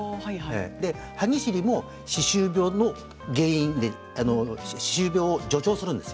歯ぎしりも歯周病の原因で歯周病を助長します。